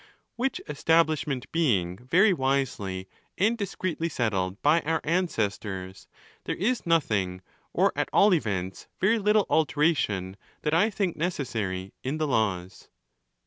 Which establishment being very wisely and discreetly settled by our ancestors, there is nothing, or at all events very little alteration that 1 think 'necessary in the laws.